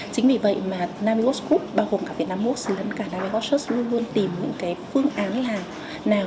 chính vì vậy mà navigos group bao gồm cả việt nam most lẫn cả navigos trust luôn luôn tìm những phương án nào